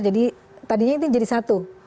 jadi tadinya itu jadi satu